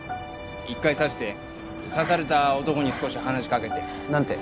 １回刺して刺された男に少し話しかけて何て？